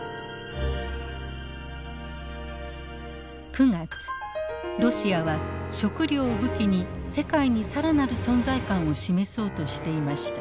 ９月ロシアは食料を武器に世界に更なる存在感を示そうとしていました。